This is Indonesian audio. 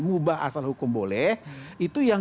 mubah asal hukum boleh itu yang